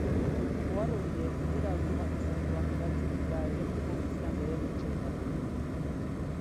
Ohar horiek era automatizatuan bidaltzen dira eremuko biztanleen etxeetara.